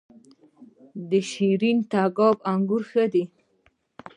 د شیرین تګاب انګور ښه دي